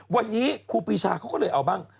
วันนี้ครูปีชาเขาก็เลยเอาบ้าง